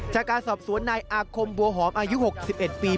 จากการสอบสวนนายอาคมบัวหอมอายุ๖๑ปี